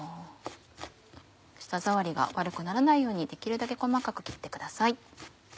舌触りが悪くならないようにできるだけ細かく切ってください。